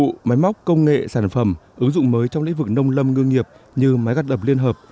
các công cụ máy móc công nghệ sản phẩm ứng dụng mới trong lĩnh vực nông lâm ngương nghiệp như máy gắt đập liên hợp